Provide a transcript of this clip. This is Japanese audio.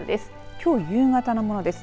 きょう夕方のものです。